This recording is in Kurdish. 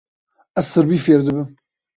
Ez sirbî fêr dibim.